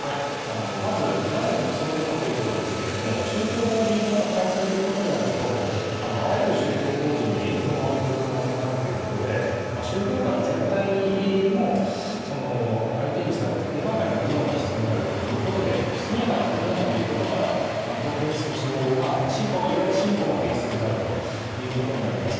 まず、なぜ特措法かということですが宗教法人法の改正ということになるとあらゆる宗教法人に影響が及ぶ可能性があるということで宗教界全体も相手にした大がかりな議論が必要になるので速やかにできないということからいわゆる新法が適切であるということになります。